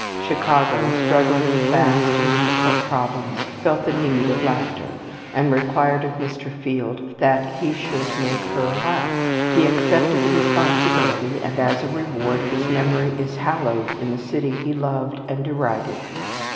Chicago, struggling with vast and difficult problems, felt the need of laughter, and required of Mr. Field that he should make her laugh. He accepted the responsibility, and, as a reward, his memory is hallowed in the city he loved and derided.